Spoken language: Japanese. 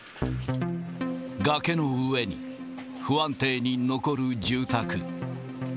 崖の上に、不安定に残る住宅。